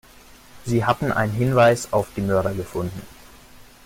Sie hatte einen Hinweis auf die Mörder gefunden.